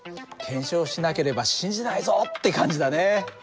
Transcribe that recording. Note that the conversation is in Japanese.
検証しなければ信じないぞって感じだね。